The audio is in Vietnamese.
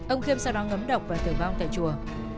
ông khiêm sau đó ngấm độc và tử vong tại chùa